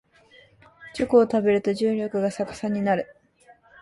チョコを食べると重力が逆さになる